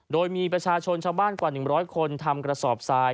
โดยมีประชาชนชาวบ้านกว่า๑๐๐คนทำกระสอบทราย